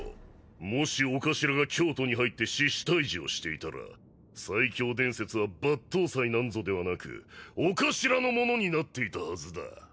もし御頭が京都に入って志士退治をしていたら最強伝説は抜刀斎なんぞではなく御頭のものになっていたはずだ。